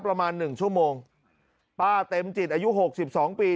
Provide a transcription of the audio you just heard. ประมาณหนึ่งชั่วโมงป้าเต็มจิตอายุหกสิบสองปี